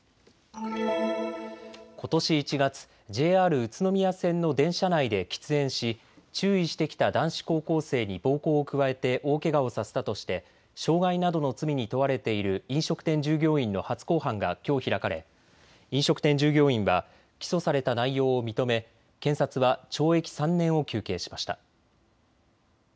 ことし１月、ＪＲ宇都宮線の電車内で喫煙し注意してきた男子高校生に暴行を加えて大けがをさせたとして傷害などの罪に問われている飲食店従業員の初公判がきょう開かれ、飲食店従業員は起訴された内容を認め検察は懲役３年を求刑しました。